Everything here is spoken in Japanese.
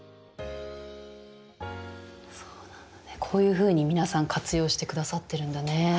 こういうふうに皆さん活用してくださってるんだね。